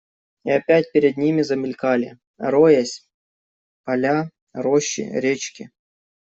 И опять перед ними замелькали, роясь, поля, рощи, речки.